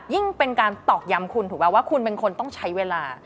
ยิ่งเป็นการตอกย้ำคุณถูกไหมว่าคุณเป็นคนต้องใช้เวลา